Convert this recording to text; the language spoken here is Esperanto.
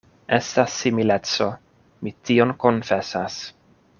Estas simileco; mi tion konfesas.